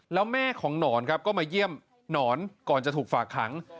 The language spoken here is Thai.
แล้วแม่ของหนอนครับก็มาเยี่ยมหนอนก่อนจะถูกฝากขัง